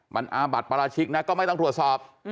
มันอาบัติปราชิกนะก็ไม่ต้องตรวจสอบ